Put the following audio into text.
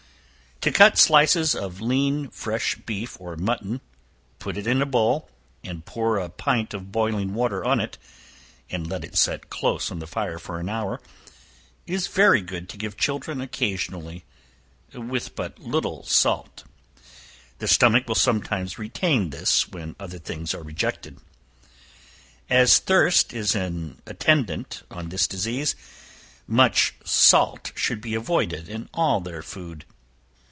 To cut slices of lean fresh beef or mutton, put it in a bowl, and pour a pint of boiling water on it, and let it set close to the fire for an hour, is very good to give children occasionally, with but little salt; the stomach will sometimes retain this when other things are rejected. As thirst is an attendant on this disease, much salt should be avoided in all their food.